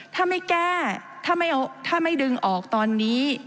ถ้าไม่แก้ถ้าไม่ดึงออกตอนนี้